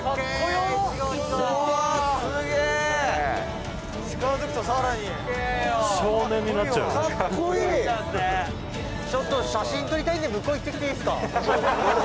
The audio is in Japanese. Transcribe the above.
横尾：写真撮りたいんで向こう行ってきていいですか？